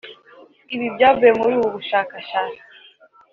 Ibi byavuye muri ubu bushakashatsi